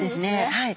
はい。